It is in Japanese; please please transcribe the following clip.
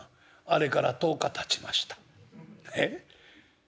あれから１０日たちました。え？